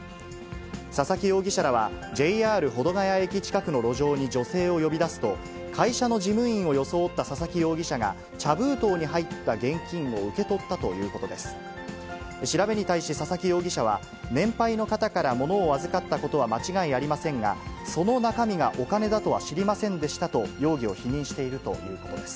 佐々木容疑者らはＪＲ保土ケ谷駅近くの路上に女性を呼び出すと、会社の事務員を装った佐々木容疑者が、茶封筒に入った現金を受け取ったということです。